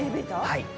はい。